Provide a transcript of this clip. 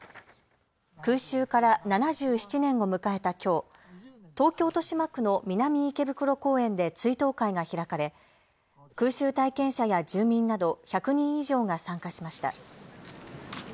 空襲から７７年を迎えたきょう、東京豊島区の南池袋公園で追悼会が開かれ空襲体験者や住民など１００人以上が参加しました。